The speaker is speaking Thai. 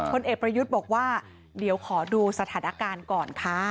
เอกประยุทธ์บอกว่าเดี๋ยวขอดูสถานการณ์ก่อนค่ะ